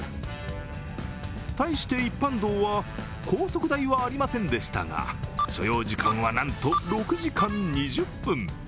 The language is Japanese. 対して一般道は高速代はありませんでしたが、所要時間は、なんと６時間２０分。